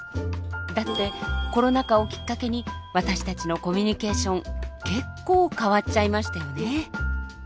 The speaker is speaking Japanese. だってコロナ禍をきっかけに私たちのコミュニケーション結構変わっちゃいましたよね？